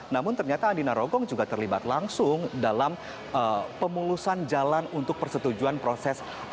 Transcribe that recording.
namun ternyata andi narogong juga terlibat langsung dalam pemulusan jalan untuk persetujuan proses